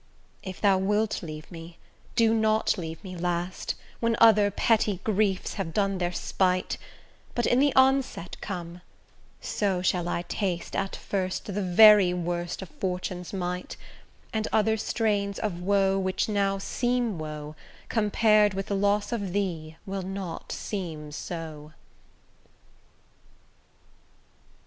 If thou wilt leave me, do not leave me last, When other petty griefs have done their spite, But in the onset come: so shall I taste At first the very worst of fortune's might; And other strains of woe, which now seem woe, Compar'd with loss of thee, will not seem so.